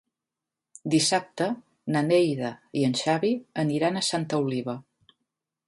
Dissabte na Neida i en Xavi aniran a Santa Oliva.